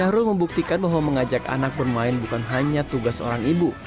shrul membuktikan bahwa mengajak anak bermain bukan hanya tugas orang ibu